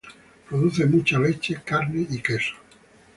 Producen mucha leche, carne y queso.